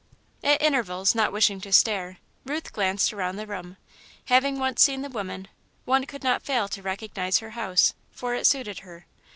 At intervals, not wishing to stare, Ruth glanced around the room. Having once seen the woman, one could not fail to recognise her house, for it suited her.